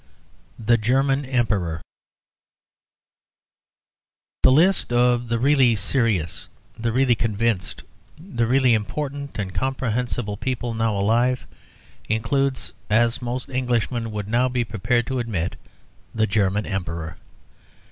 THE GERMAN EMPEROR The list of the really serious, the really convinced, the really important and comprehensible people now alive includes, as most Englishmen would now be prepared to admit, the German Emperor.